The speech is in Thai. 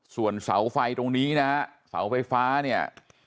ส่วนเสาไฟตรงนี้นะฮะเสาไฟฟ้าเนี่ย